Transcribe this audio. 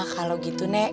kalau gitu nek